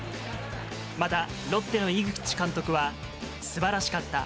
またロッテの井口監督は、すばらしかった。